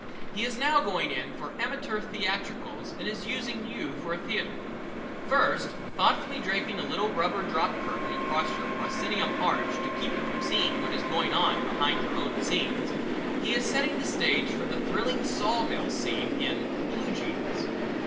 He is now going in for amateur theatricals and is using you for a theatre. First thoughtfully draping a little rubber drop curtain across your proscenium arch to keep you from seeing what is going on behind your own scenes, he is setting the stage for the thrilling sawmill scene in Blue Jeans.